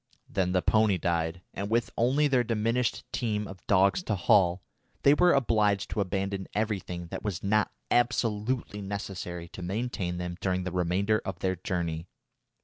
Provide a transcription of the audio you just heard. Then the pony died, and with only their diminished team of dogs to haul, they were obliged to abandon everything that was not absolutely necessary to maintain them during the remainder of their journey.